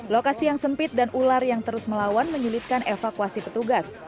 lokasi yang sempit dan ular yang terus melawan menyulitkan evakuasi petugas